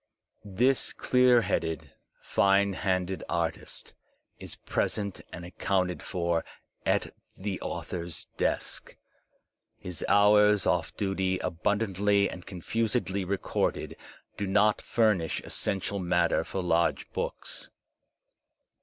This clear headed, fine handed artist is present and ac counted for at the author's desk. His hours oflF duty, abun* dantly and confusedly recorded, do not furnish essential Digitized by Google POE 129 matter ior large books.